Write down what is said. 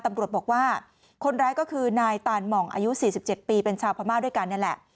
ตำรวจบอกว่าคนร้ายก็คือนายตานหม่องอายุ๔๗ปีเป็นชาวพม่าด้วยกันนี่แหละ